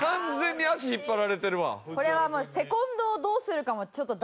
これはもう。